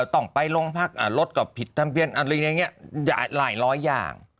ต่องไปลงพักอ่าลดกับผิดทำเบี้ยนอะไรอย่างเงี้ยหลายหล้อยอย่าง